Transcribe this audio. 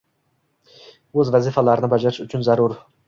o‘zi vazifalarini bajarish uchun zarur